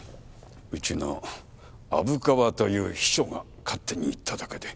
うちの虻川という秘書が勝手に言っただけで。